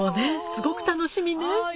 すごく楽しみね